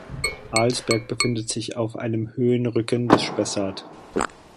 Alsberg befindet sich auf einem Höhenrücken des Spessart.